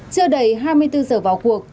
chưa đầy hai mươi bốn giờ vào cuộc